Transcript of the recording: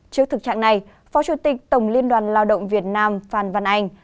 trước thực trạng này phó chủ tịch tổng liên đoàn lao động việt nam phan văn anh